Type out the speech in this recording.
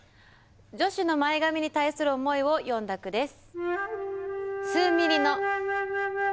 女子の前髪に対する思いを詠んだ句です。